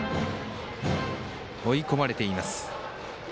追い込まれています。